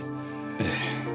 ええ。